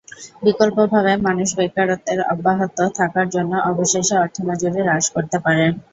বিকল্পভাবে, মানুষ বেকারত্বের অব্যাহত থাকার জন্য অবশেষে অর্থ মজুরি হ্রাস করতে পারে।